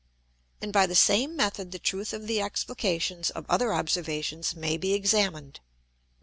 And by the same method the truth of the Explications of other Observations may be examined.